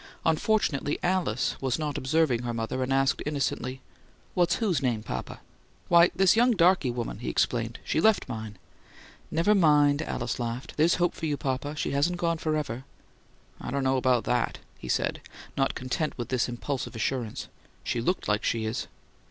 Unfortunately Alice was not observing her mother, and asked, innocently: "What's whose name, papa?" "Why, this young darky woman," he explained. "She left mine." "Never mind," Alice laughed. "There's hope for you, papa. She hasn't gone forever!" "I don't know about that," he said, not content with this impulsive assurance. "She LOOKED like she is."